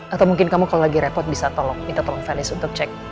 atau mungkin kamu kalau lagi repot bisa tolong minta tolong felis untuk cek